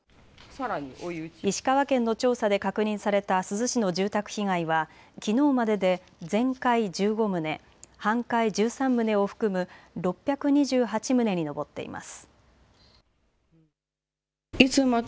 石川県の調査で確認された珠洲市の住宅被害はきのうまでで全壊１５棟、半壊１３棟を含む６２８棟に上っています。